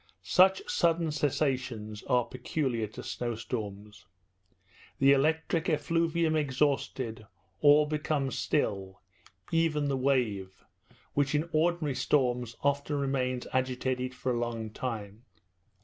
Such sudden cessations are peculiar to snowstorms. The electric effluvium exhausted, all becomes still, even the wave, which in ordinary storms often remains agitated for a long time.